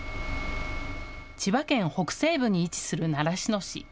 千葉県北西部に位置する習志野市。